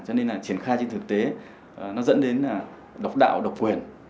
cho nên là triển khai trên thực tế nó dẫn đến là độc đạo độc quyền